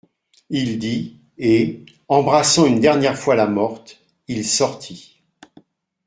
Il dit, et, embrassant une dernière fois la morte, il sortit.